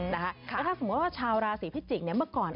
แล้วถ้าสมมุติว่าชาวราศีพิจิกษ์เมื่อก่อน